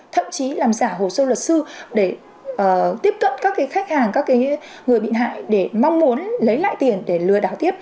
thậm chí làm giả hồ sơ luật sư để tiếp cận các khách hàng các người bị hại để mong muốn lấy lại tiền để lừa đảo tiếp